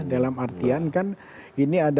dalam artian kan ini ada